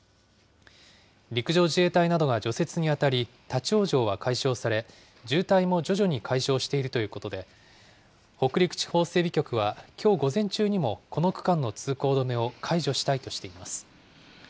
陸上自衛隊などが除雪に当たり、立往生は解消され、渋滞も徐々に解消しているということで、北陸地方整備局は、きょう午前中にも、この区間の通行止めを解除したいとしています。